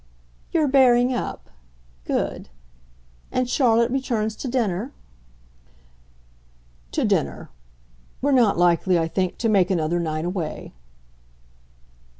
"You're bearing up good. And Charlotte returns to dinner?" "To dinner. We're not likely, I think, to make another night away."